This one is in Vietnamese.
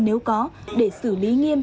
nếu có để xử lý nghiêm